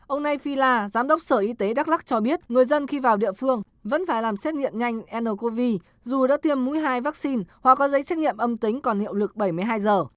ông nay phi la giám đốc sở y tế đắk lắc cho biết người dân khi vào địa phương vẫn phải làm xét nghiệm nhanh ncov dù đã tiêm mũi hai vaccine hoặc có giấy xét nghiệm âm tính còn hiệu lực bảy mươi hai giờ